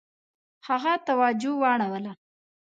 هغه توجه واړوله.